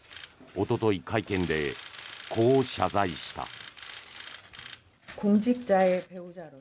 おととい、会見でこう謝罪した。